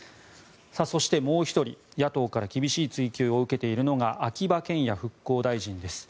そしてもう１人、野党から厳しい追及を受けているのが秋葉賢也復興大臣です。